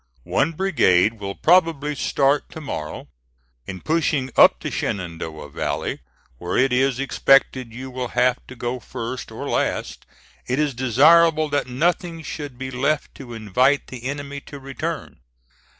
One brigade will probably start to morrow. In pushing up the Shenandoah Valley, where it is expected you will have to go first or last, it is desirable that nothing should be left to invite the enemy to return.